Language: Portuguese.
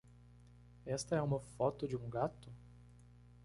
Esta é uma foto de um gato?